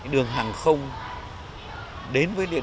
đường hàng không đến với điện biên đúng là đường hàng không đến với điện biên